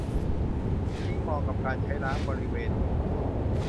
จึงเหมาะกับการใช้ล้างบริเวณนิ้วมือ